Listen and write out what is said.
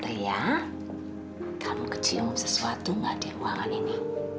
ria kamu kecium sesuatu nggak di ruangan ini